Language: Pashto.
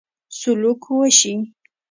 سلوک وشي.